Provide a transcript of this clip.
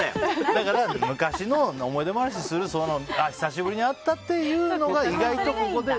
だから、昔の思い出話をする久しぶりに会ったっていうのが意外と。